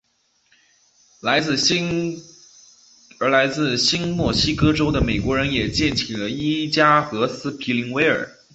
而来自新墨西哥州的美国人也建起了伊加和斯皮灵威尔。